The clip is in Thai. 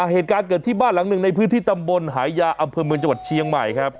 เหตุการณ์เกิดที่บ้านหลังหนึ่งในพื้นที่ตำบลหายาอำเภอเมืองจังหวัดเชียงใหม่ครับ